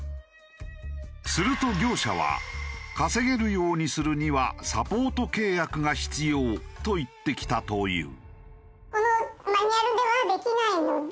すると業者は「稼げるようにするにはサポート契約が必要」と言ってきたという。